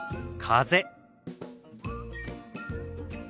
風。